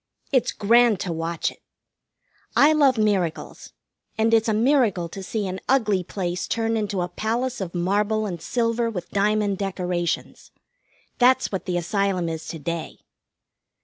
It's grand to watch it. I love miracles, and it's a miracle to see an ugly place turn into a palace of marble and silver with diamond decorations. That's what the Asylum is to day.